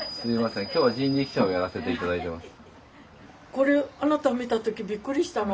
これあなた見た時びっくりしたの。